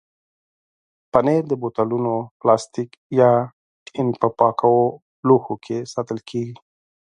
پنېر د بوتلونو، پلاستیک یا ټین په پاکو لوښو کې ساتل کېږي.